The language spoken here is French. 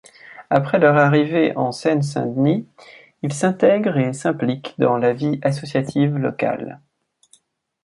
Après leur arrivée en Seine-Saint-Denis, ils s'intègrent et s'impliquent dans la vie associative locale.